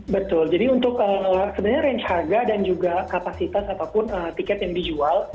betul jadi untuk sebenarnya range harga dan juga kapasitas ataupun tiket yang dijual